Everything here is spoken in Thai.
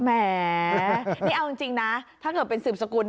แหมนี่เอาจริงนะถ้าเกิดเป็นสืบสกุล